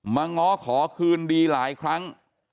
ง้อขอคืนดีหลายครั้ง